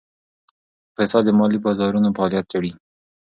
اقتصاد د مالي بازارونو فعالیت څیړي.